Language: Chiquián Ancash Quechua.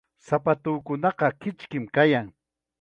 Sapatuukunaqa kichkim kayan.